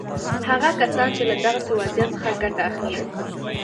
هغه کسان چې له دغسې وضعیت څخه ګټه اخلي.